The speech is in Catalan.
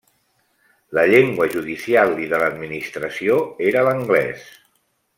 La llengua judicial i de l'administració era l'anglès.